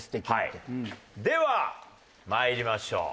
では参りましょう。